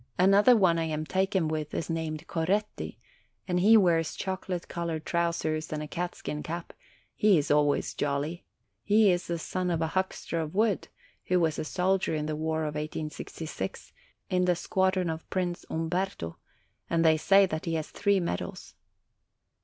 Another one I am taken with is named Coretti, and he wears chocolate colored trou sers and a catskin cap : he is always jolly; he is the son of a huckster of wood, who was a soldier in the war of 1866, in the squadron of Prince Umberto, and they say that he has three medals.